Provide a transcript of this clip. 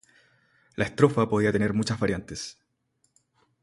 La estrofa podía tener muchas variantes.